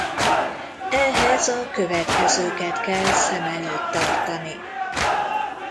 Ehhez a következőket kell szem előtt tartani.